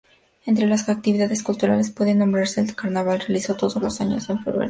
Entre las actividades culturales puede nombrarse el carnaval realizado todos los años en febrero.